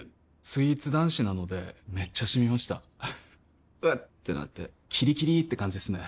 スイーツ男子なのでめっちゃシミました「うっ」ってなってキリキリって感じですね